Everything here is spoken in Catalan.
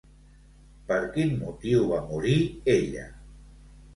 Per quin motiu va morir ella?